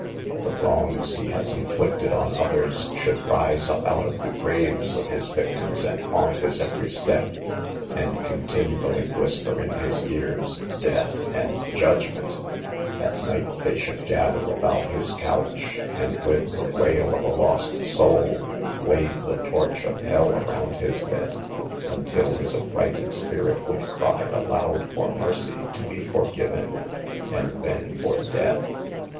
The wrongs he has inflicted on others should rise up out of the graves of his victims and haunt his every step, and continu ally whisper in his ears death and judgment ; at night they should gather about his couch, and with the wail of a lost soul, wave the torch of hell around his bed, until his affrighted spirit would cry aloud for mercy, to be forgiven, and then for death."